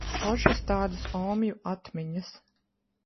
Foršas tādas omju atmiņas.